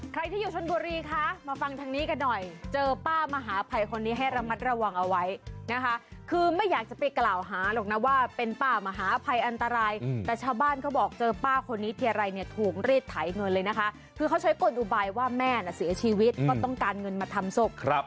ใครที่อยู่ชนบุรีคะมาฟังทางนี้กันหน่อยเจอป้ามหาภัยคนนี้ให้ระมัดระวังเอาไว้นะคะคือไม่อยากจะไปกล่าวหาหรอกนะว่าเป็นป้ามหาภัยอันตรายแต่ชาวบ้านเขาบอกเจอป้าคนนี้ทีไรเนี่ยถูกรีดไถเงินเลยนะคะคือเขาใช้กลอุบายว่าแม่น่ะเสียชีวิตก็ต้องการเงินมาทำศพ